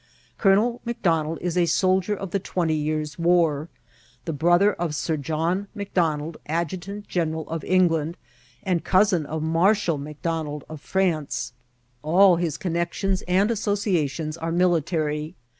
Colonel McDonald is a soldier of the ^^ twenty years' war," the brother of Sir John McDonald, adjutant general of England, and cousin of Marshal Macdonald of France. All his connexions and associations are military.